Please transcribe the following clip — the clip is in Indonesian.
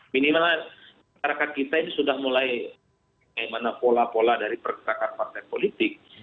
minimalnya rakyat kita ini sudah mulai mengaimana pola pola dari pergerakan partai politik